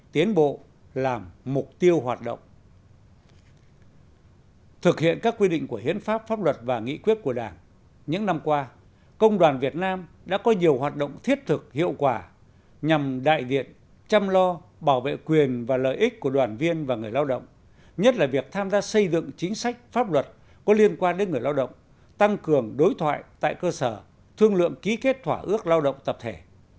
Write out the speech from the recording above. theo quy định của hiến pháp pháp luật và nghị quyết của đảng những năm qua công đoàn việt nam đã có nhiều hoạt động thiết thực hiệu quả nhằm đại diện chăm lo bảo vệ quyền và lợi ích của đoàn viên và người lao động nhất là việc tham gia xây dựng chính sách pháp luật có liên quan đến người lao động tăng cường đối thoại tại cơ sở thương lượng ký kết thỏa ước lao động tập thể